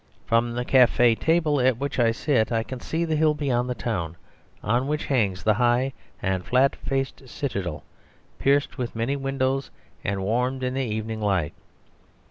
From the café table at which I sit I can see the hill beyond the town on which hangs the high and flat faced citadel, pierced with many windows, and warmed in the evening light.